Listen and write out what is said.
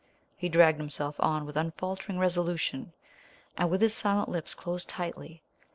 He dragged himself on with unfaltering resolution, and with his silent lips closed tightly.